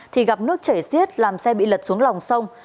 thì gặp nước chảy xiết làm xe bị lật xuống lòng sông